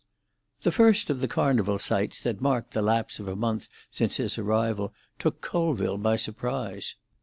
The first of the Carnival sights that marked the lapse of a month since his arrival took Colville by surprise.